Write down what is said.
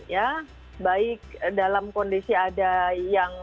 ya baik dalam kondisi ada yang